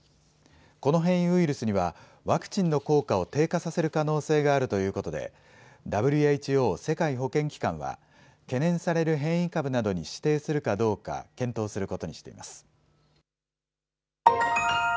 この変異ウイルスにはワクチンの効果を低下させる可能性があるということでＷＨＯ・世界保健機関は、懸念される変異株などに指定するかどうか検討することにしています。